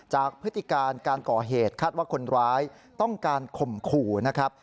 พฤติการการก่อเหตุคาดว่าคนร้ายต้องการข่มขู่นะครับ